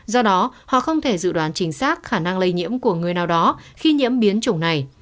do đó họ không thể dự đoán chính xác khả năng lây nhiễm của người nào đó khi nhiễm biến chủng này